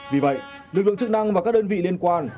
vì vậy lực lượng chức năng và các đơn vị liên quan